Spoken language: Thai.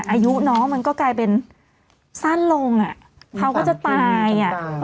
อายุน้องมันก็กลายเป็นสั้นลงอ่ะเขาก็จะตายอ่ะ